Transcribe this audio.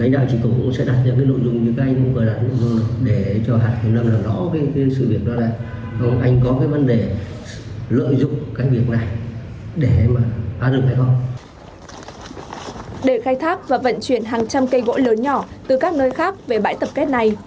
để khai thác và vận chuyển hàng trăm cây gỗ lớn nhỏ từ các nơi khác về bãi tập kết này